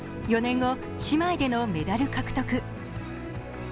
４年後、姉妹でのメダル獲得。